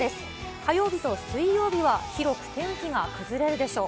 火曜日と水曜日は広く天気が崩れるでしょう。